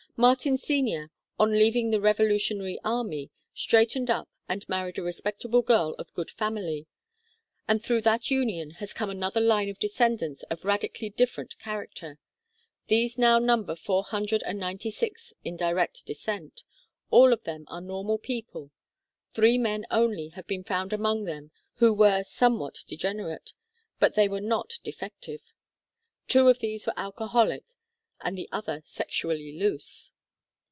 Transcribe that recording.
Martin Sr., on leaving the Revolutionary Army, straightened up and married a respectable girl of good family, and through that union has come another line of descendants of radically different character. These now number four hundred and ninety six in direct descent. All of them are normal people. Three men only have been found among them who were some what degenerate, but they were not defective. Two of these were alcoholic, and the other sexually loose.